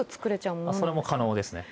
それも可能ですね。